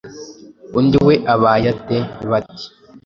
undi we abaye ate ? Bati «